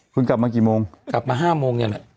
เพิ่งกลับมากี่โมงกลับมาห้าโมงเนี้ยแหละ